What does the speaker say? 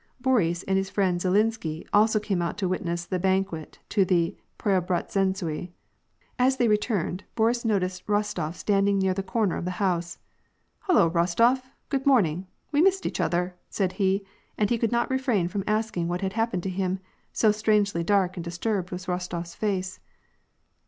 " Boris and his friend, Zhilinsky, also came out to witness the banquet to the Preobrazhentsui. As they returned, Boris noticed Rostof standing near the comer of a house. ''Hollo, Rostof! Good morning; we missed each other/' said he, and he could not refrain from asking what had hap pened to him, so strangely dark and disturbed was RostoPs face.